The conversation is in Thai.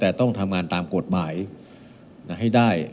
แต่ต้องทำงานตามกฎหมายให้ได้